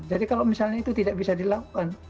jadi kalau misalnya itu tidak bisa dilakukan